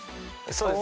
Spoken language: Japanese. そうです